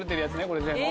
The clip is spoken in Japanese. これ全部。